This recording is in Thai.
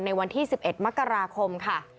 ในวันที่๑๑มกราคมค่ะ